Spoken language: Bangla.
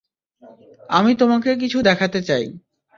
আমি তোমাকে কিছু দেখাতে চাই।